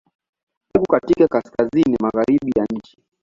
Uko katika Kaskazini magharibi ya nchi.